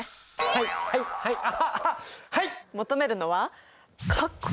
はいはいはいアハアハはい！求めるのは角度。